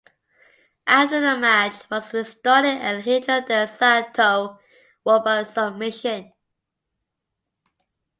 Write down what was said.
After the match was restarted El Hijo del Santo won by submission.